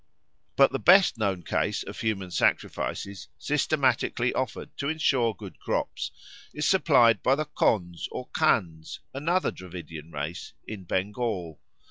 But the best known case of human sacrifices, systematically offered to ensure good crops, is supplied by the Khonds or Kandhs, another Dravidian race in Bengal.